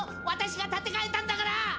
私が立てかえたんだから！